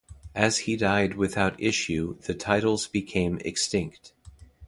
As he died without issue the titles became extinct.